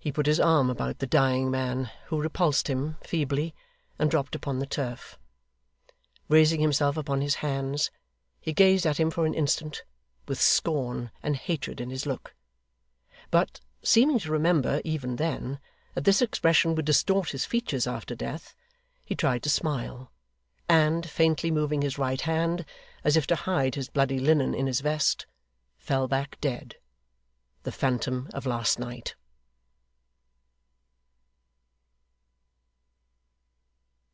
He put his arm about the dying man, who repulsed him, feebly, and dropped upon the turf. Raising himself upon his hands, he gazed at him for an instant, with scorn and hatred in his look; but, seeming to remember, even then, that this expression would distort his features after death, he tried to smile, and, faintly moving his right hand, as if to hide his bloody linen in his vest, fell back dead the phantom of last night.